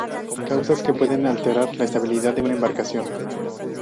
Causas que pueden alterar la estabilidad de una embarcación.